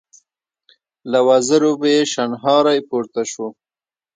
له وزرو به يې شڼهاری پورته شو.